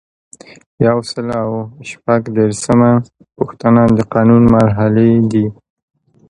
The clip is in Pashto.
یو سل او شپږ دیرشمه پوښتنه د قانون مرحلې دي.